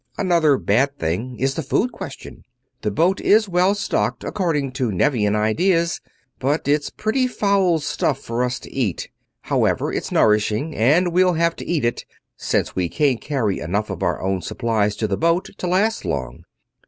Another bad thing is the food question. The boat is well stocked according to Nevian ideas, but it's pretty foul stuff for us to eat. However, it's nourishing, and we'll have to eat it, since we can't carry enough of our own supplies to the boat to last long.